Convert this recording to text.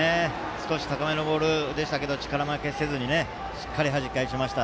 少し高めのボールでしたけど力負けせずにしっかりはじき返しました。